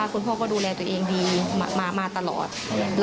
และก็มีการกินยาละลายริ่มเลือดแล้วก็ยาละลายขายมันมาเลยตลอดครับ